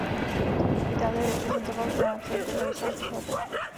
Itálii reprezentoval krátce v devadesátých letech.